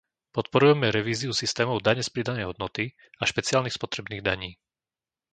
Podporujeme revíziu systémov dane z pridanej hodnoty a špeciálnych spotrebných daní.